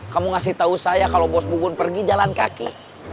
kamu ngasih tahu saya kalau bos bubun pergi jalan kaki